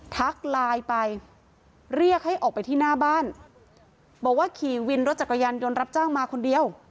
ทักไลน์ไปเรียกให้ออกไปที่หน้าบ้านบอกว่าขี่วินรถจักรยานยนต์รับจ้างมาคนเดียว